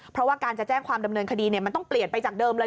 เพราะว่าการจะแจ้งความดำเนินคดีมันต้องเปลี่ยนไปจากเดิมเลย